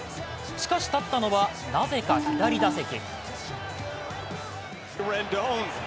しかし、立ったのはなぜか左打席。